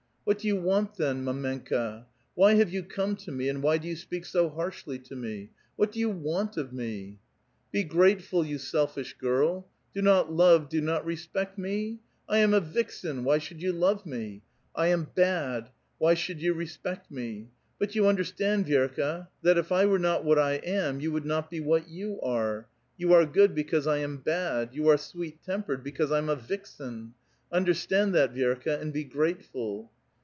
"What do you want, then, mdmenJcaf Why have you come to me, and why do you speak so harshly to me? What do vou want of me ?"" Be grateful, 3^ou selfish girl ! Do not love, do not respect me ? I am a vixen ; why should you love me ? I am bad ; why should you respect me? But you understand, Vi6rka, that if I were not what I am, you would not be what you are. You are good because I am bad. You are sweet tempered because I am a vixen. Understand that, Vi^rka, and be grateful."